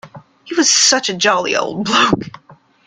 He was such a jolly old bloke.